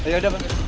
ya udah pak